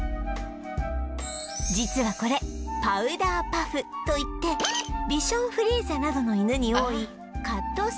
実はこれパウダー・パフといってビション・フリーゼなどの犬に多いカットスタイル